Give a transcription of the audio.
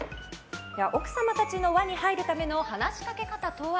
奥様たちの輪に入るための話しかけ方とは？